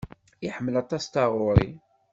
Iḥemmel aṭas taɣuri.